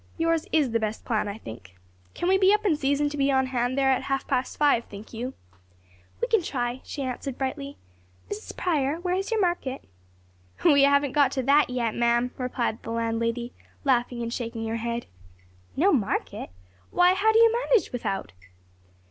"Yours is the best plan, I think. Can we be up in season to be on hand there at half past five, think you?" "We can try," she answered brightly, "Mrs. Prior, where is your market?" "We haven't got to that yet, ma'am," replied the landlady, laughing and shaking her head. "No market? why how do you manage without?"